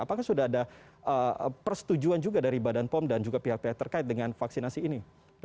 apakah sudah ada persetujuan juga dari badan pom dan juga pihak pihak terkait dengan vaksinasi ini